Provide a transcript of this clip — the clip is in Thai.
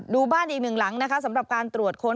บ้านอีกหนึ่งหลังนะคะสำหรับการตรวจค้น